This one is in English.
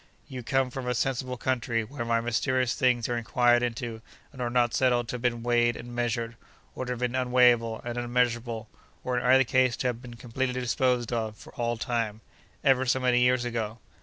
You come from a sensible country, where mysterious things are inquired into and are not settled to have been weighed and measured—or to have been unweighable and unmeasurable—or in either case to have been completely disposed of, for all time—ever so many years ago.